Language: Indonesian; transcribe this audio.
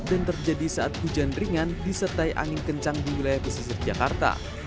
terjadi saat hujan ringan disertai angin kencang di wilayah pesisir jakarta